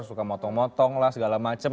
suka motong motong lah segala macam